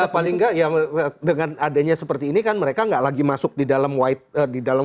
ya paling nggak dengan adanya seperti ini kan mereka nggak lagi masuk di dalam wide